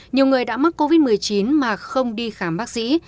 nhiều người đã mắc covid một mươi chín mà không đi khám bác sĩ